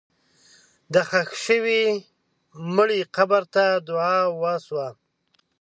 د ښخ شوي مړي قبر ته دعا وشوه.